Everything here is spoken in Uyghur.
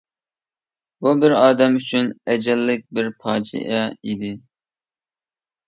بۇ بىر ئادەم ئۈچۈن ئەجەللىك بىر پاجىئە ئىدى.